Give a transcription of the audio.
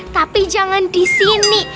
tapi jangan disini